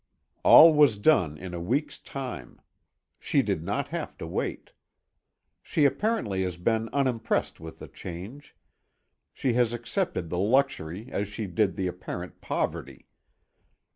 All was done in a week's time. She did not have to wait. She apparently has been unimpressed with the change. She has accepted the luxury as she did the apparent poverty.